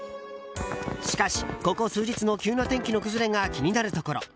しかし、ここ数日の急な天気の崩れが気になるところ。